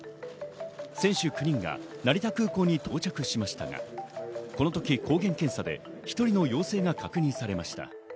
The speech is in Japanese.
選手９人が成田空港に到着しましたが、このとき抗原検査で１人の陽性が確認されました。